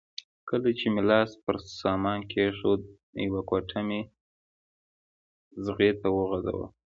کله چې مې لاس پر سامان کېښود یوه ګوته مې څغۍ ته وغځوله.